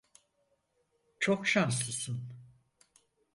Çok şanslısın.